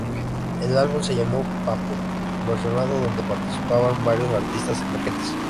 El Álbum se llamó "Pappo versionado" donde participaban varios artistas emergentes.